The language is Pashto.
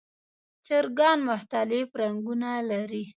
چرګان مختلف رنګونه لري.